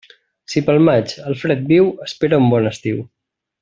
Si pel maig el fred viu, espera un bon estiu.